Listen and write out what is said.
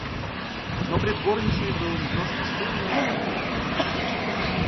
Но пред горничной было не то что стыдно, а неловко.